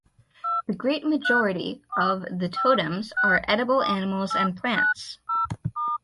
The great majority of the totems are edible animals and plants.